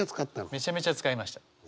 めちゃめちゃ使いました。